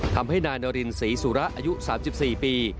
ทำให้นายนารินศรีสุระอายุ๓๔ปี